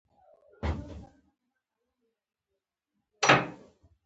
پکتيا ولايت څوارلس ولسوالۍ لري.